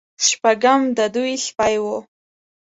شپږم د دوی سپی و.